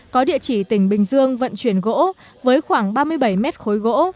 có địa chỉ tỉnh bình dương vận chuyển gỗ với khoảng ba mươi bảy mét khối gỗ